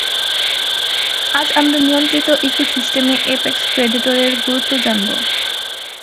আজ, আমরা নিয়ন্ত্রিত ইকোসিস্টেমে এপেক্স প্রেডেটরের গুরুত্ব জানব।